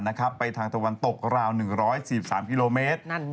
สนับสนุนโดยดีที่สุดคือการให้ไม่สิ้นสุด